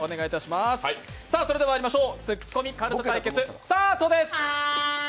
それではまいりましょう、「ツッコミかるた」対決スタートです。